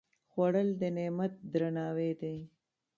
خوړل د نعمت درناوی دی